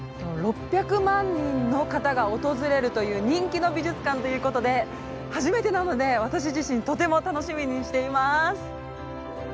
６００万人の方が訪れるという人気の美術館ということで初めてなので私自身とても楽しみにしています。